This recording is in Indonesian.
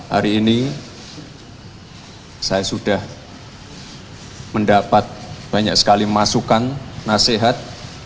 hari ini saya sudah mendapat banyak sekali masukan nasihat